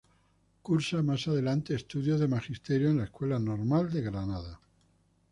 Cursa más adelante estudios de Magisterio en la Escuela Normal de Granada.